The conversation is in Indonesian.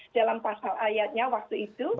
dalam pasal ayatnya waktu itu